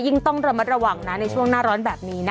ต้องระมัดระวังนะในช่วงหน้าร้อนแบบนี้นะ